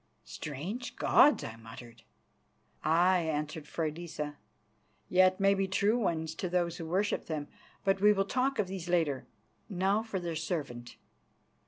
"Strange gods!" I muttered. "Aye," answered Freydisa, "yet maybe true ones to those who worship them. But we will talk of these later; now for their servant."